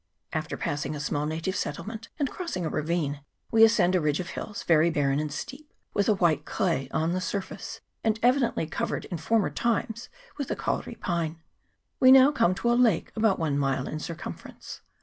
After passing a small native settlement, and crossing a ravine, we ascend a ridge of hills, very barren and steep, with a white clay on the surface, and evidently covered in former times with the kauri pine. We now come to a lake about one mile in circumference.